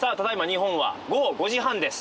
日本は午後５時半です。